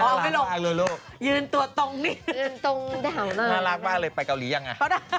เอาไม่ลงยืนตัวตรงนี้น่ารักมากเลยไปเกาหลียังอะ